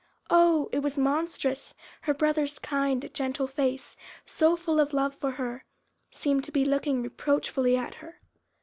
Oh! it was monstrous; her brother's kind, gentle face, so full of love for her, seemed to be looking reproachfully at her.